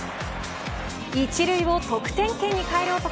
１塁を得点圏に変える男。